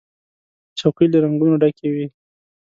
چوکۍ له رنګونو ډکې وي.